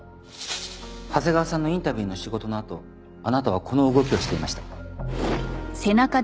長谷川さんのインタビューの仕事のあとあなたはこの動きをしていました。